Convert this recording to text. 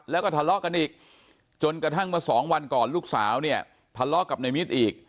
แล้วก็ทะเลาะกันอีกจนกระทั่งเมื่อสองวันก่อนลูกสาวเนี่ยทะเลาะกับในมิตรอีก